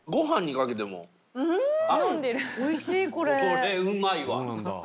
これうまいわ。